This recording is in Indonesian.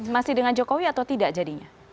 masih dengan jokowi atau tidak jadinya